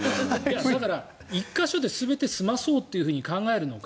だから１か所で全て済ませようと考えるのか。